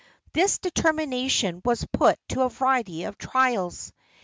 This determination was put to a variety of trials.